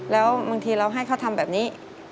แล้วบางทีเราให้เขาทำแบบนี้